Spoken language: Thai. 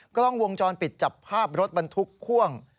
ก็ลองวงจรปิดจับภาพรถมันทุกข้วง